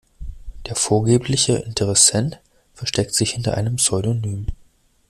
Der vorgebliche Interessent versteckt sich hinter einem Pseudonym.